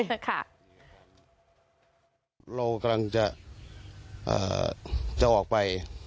เรากำลังจะออกไป